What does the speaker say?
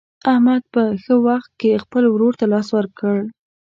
احمد په ښه وخت کې خپل ورور ته لاس ورکړ.